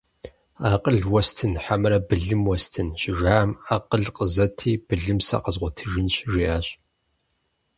«Акъыл уэстын, хьэмэрэ былым уэстын?» - щыжаӀэм, «Акъыл къызэти, былым сэ къэзгъуэтыжынщ», - жиӀащ.